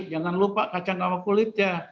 jangan lupa kacang sama kulitnya